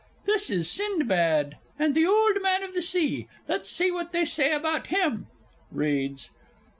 This is Sindbad and the Old Man of the Sea let's see what they say about him. (_Reads.